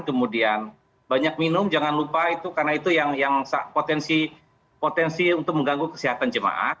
kemudian banyak minum jangan lupa itu karena itu yang potensi untuk mengganggu kesehatan jemaah